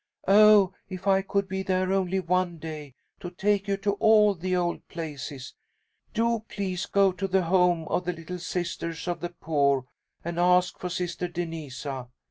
Oh, if I could be there only one day to take you to all the old places! Do please go to the home of the 'Little Sisters of the Poor,' and ask for Sister Denisa.